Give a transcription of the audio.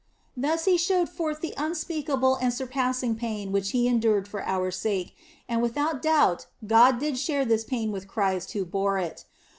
Thus He showed forth the unspeakable and surpassing pain which He endured for our sake, and without doubt God did share that pain with Christ who bore it.